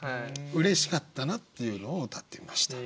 嬉しかったなっていうのをうたってみました。